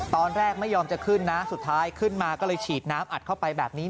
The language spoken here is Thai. ไม่ยอมจะขึ้นนะสุดท้ายขึ้นมาก็เลยฉีดน้ำอัดเข้าไปแบบนี้